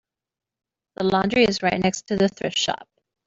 The laundry is right next to the thrift shop.